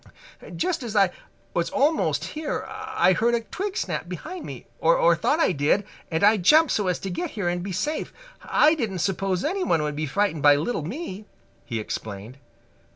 "Just as I was almost here I heard a twig snap behind me, or thought I did, and I jumped so as to get here and be safe. I didn't suppose anyone would be frightened by little me," he explained.